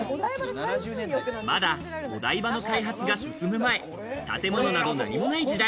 まだ、お台場の開発が進む前、建物等何もない時代。